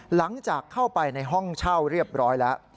หลังจากเข้าไปในห้องเช่าเรียบร้อยแล้ว